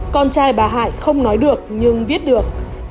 con trai bà hải không nói được nhưng viết được